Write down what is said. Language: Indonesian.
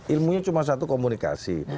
ilmunya cuma satu komunikasi